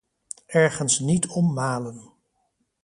Ergens niet om malen.